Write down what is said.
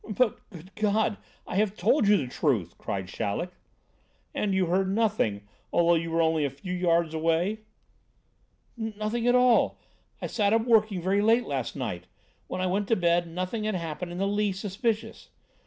"But, good God! I have told you the truth!" cried Chaleck. "And you heard nothing, although you were only a few yards away?" "Nothing at all. I sat up working very late last night. When I went to bed, nothing had happened in the least suspicious.